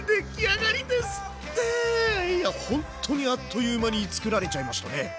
いやほんとにあっという間に作られちゃいましたね。